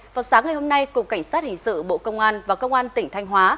vào sáng ngày hôm nay cục cảnh sát hình sự bộ công an và công an tỉnh thanh hóa